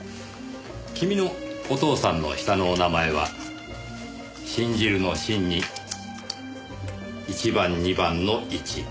君のお父さんの下のお名前は信じるの「信」に一番二番の「一」。